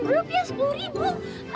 sepuluh rupiah sepuluh